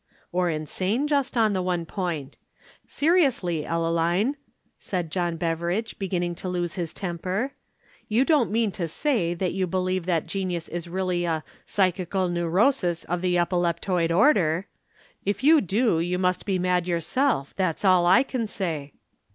"Or insane just on the one point. Seriously, Ellaline," said John Beveridge, beginning to lose his temper, "you don't mean to say that you believe that genius is really 'a psychical neurosis of the epileptoid order.' If you do you must be mad yourself, that's all I can say."